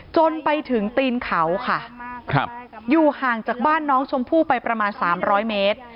จนไปถึงตีนเขาค่ะอยู่ห่างจากบ้านน้องชมพู่ไปประมาณ๓๐๐เมตร